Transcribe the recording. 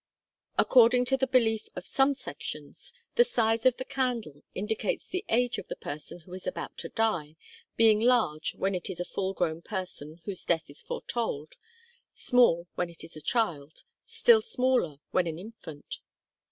According to the belief of some sections, the size of the candle indicates the age of the person who is about to die, being large when it is a full grown person whose death is foretold, small when it is a child, still smaller when an infant.